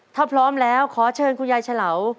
ถ้าพร้อมแล้วขอเชิญคุณยายฉลา